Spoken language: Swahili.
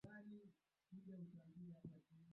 mwangaza na kupasha jototumia vyanz